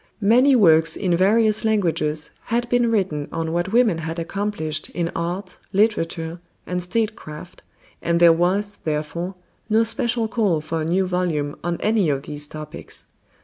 Many works in various languages had been written on what women had accomplished in art, literature, and state craft, and there was, therefore, no special call for a new volume on any of these topics.